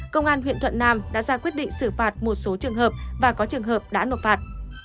công an huyện thuận nam đã ra quyết định xử phạt một số trường hợp và có trường hợp đã nộp phạt